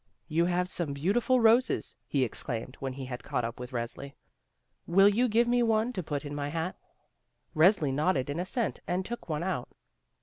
"You have some beautiful roses," he ex claimed when he had caught up with Resli; "will you give me one to put in my hat?" Resli nodded in assent and took one out.